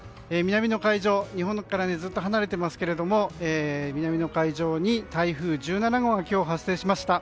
日本からずっと離れていますけど南の海上に台風１７号が今日、発生しました。